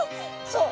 そう。